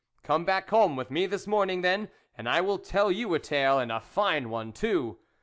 " Come back home with me this morn ing, then, and I will tell you a tale, and a fine one too."